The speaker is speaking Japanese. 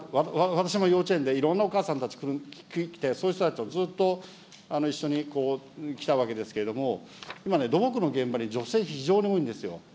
私も幼稚園でいろんなお母さんたち来て、そうした人たちを一緒に来たわけですけれども、今ね、土木の現場に女性、非常に多いんですよ。